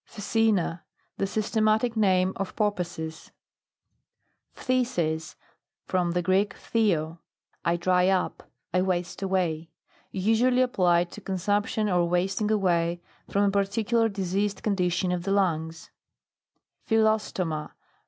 PHCECENA. The systematic name of porpoises. PHTHISIS. From the Greek, phthed, I dry up, I waste away. Usually ap plied to consumption, or wasting away, from a particular diseased condition of the lungs PHYLLOSTOMA.